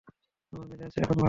আমার মেজাজ এখন ভালো।